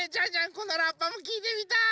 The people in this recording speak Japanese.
このラッパもきいてみたい！